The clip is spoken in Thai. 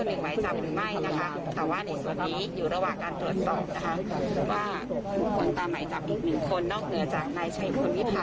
ณเดียวกันค่ะมีรายงานว่าไม้จับอาจจะมีมากกว่าหนึ่งไม้จับหรือไม่นะคะ